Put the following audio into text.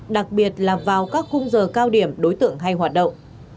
đặc biệt là vào các khung giờ cao điểm đối tượng hay hoạt động